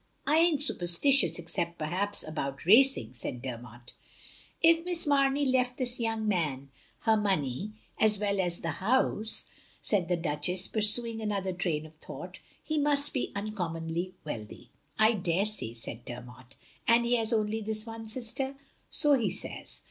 " "I ain't superstitious, except perhaps, about racing, " said Dermot. " If Miss Mamey left this young man her money as well as the house —" said the Duchess, pursuing another train of thought, " he must be uncom monly wealthy. "" I daresay, " said Dermot. "And he has only this one sister?" "So he says.